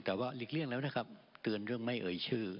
แต่ว่าหลีกเลี่ยงแล้วนะครับเตือนเรื่องไม่เอ่ยชื่อ